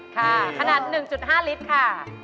ขนาด๑๕ลิตรค่ะ